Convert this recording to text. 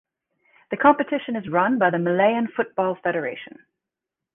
The competition is run by the Malian Football Federation.